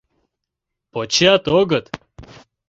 Почат, огыт?